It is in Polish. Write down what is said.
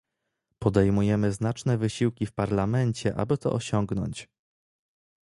Podejmujemy znaczne wysiłki w Parlamencie, aby to osiągnąć